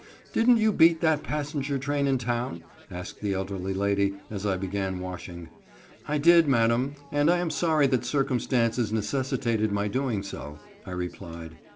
"Didn't you beat that passenger train in town?" asked the elderly lady, as I began washing. "I did, madam, and I am sorry that circumstances necessitated my doing so," I replied.